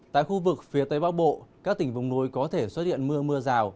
tại khu vực phía tây bắc bộ các tỉnh vùng núi có thể xuất hiện mưa mưa rào